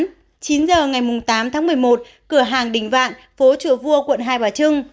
khoảng chín giờ ngày tám tháng một mươi một cửa hàng đình vạn phố chùa vua quận hai bà trưng